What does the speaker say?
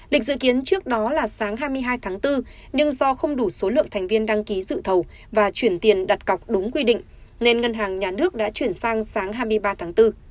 lịch dự kiến trước đó là sáng hai mươi hai tháng bốn nhưng do không đủ số lượng thành viên đăng ký dự thầu và chuyển tiền đặt cọc đúng quy định nên ngân hàng nhà nước đã chuyển sang sáng hai mươi ba tháng bốn